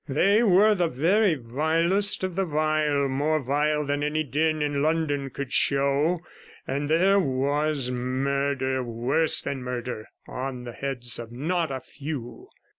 They were the very vilest of the vile, more vile than any den in London could show, and there was murder, worse than murder, on the heads of not a few.